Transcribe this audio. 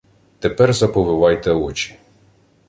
— Тепер заповивайте очі.